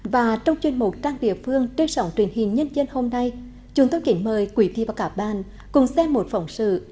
và trong chuyên mục trang địa phương trên sổng truyền hình nhân dân hôm nay chúng tôi kể mời quý vị và cả ban cùng xem một phỏng sự